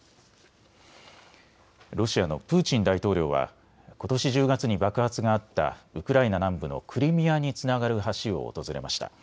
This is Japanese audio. ロシアのプーチン大統領はことし１０月に爆発があったウクライナ南部のクリミアにつながる橋を訪れました。